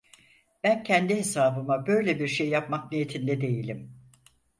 Ben kendi hesabıma böyle bir şey yapmak niyetinde değilim…